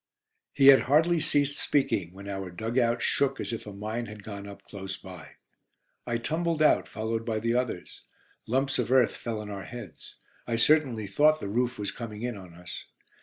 He had hardly ceased speaking, when our dug out shook as if a mine had gone up close by. I tumbled out, followed by the others. Lumps of earth fell on our heads; I certainly thought the roof was coming in on us.